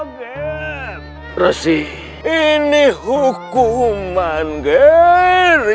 dua melissa ini hukum mangger institusi